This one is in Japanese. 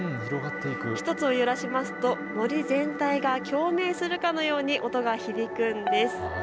１つを揺らしますと森全体が共鳴するかのように音が響くんです。